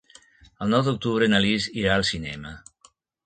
El nou d'octubre na Lis irà al cinema.